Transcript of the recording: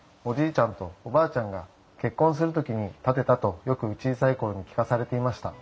ちゃんとおばあちゃんが結婚する時に建てたとよく小さい頃に聞かされていました。